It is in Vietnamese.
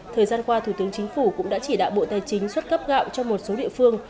thời gian qua thủ tướng chính phủ cũng đã chỉ đạo bộ tài chính xuất cấp gạo cho một số địa phương